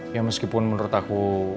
ya meskipun menurut aku